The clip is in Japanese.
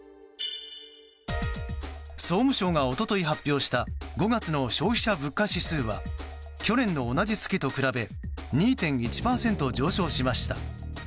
総務省が一昨日発表した５月の消費者物価指数は去年の同じ月と比べ２．１％上昇しました。